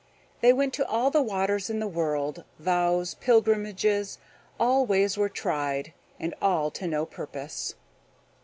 They went to all the waters in the world; vows, pilgrimages, all ways were tried, and all to no purpose.